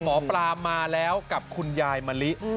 หมอปลามาแล้วกับคุณยายมะลิ